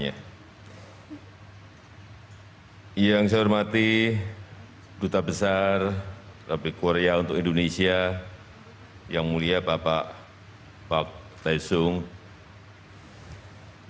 yang saya hormati para menteri kabinet indonesia maju yang hadir pak menko marin paes menteri bumn menteri investasi